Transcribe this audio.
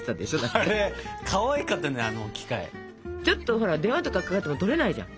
ちょっとほら電話とかかかってきてもとれないじゃん。